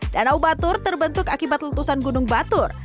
danau batur terbentuk akibat letusan gunung batur